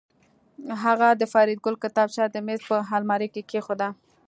هغه د فریدګل کتابچه د میز په المارۍ کې کېښوده